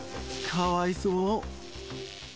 かわいそう。